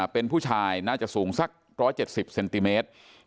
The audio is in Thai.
เป็นผู้ชายน่าจะสูงสัก๑๗๐เซนติเมตร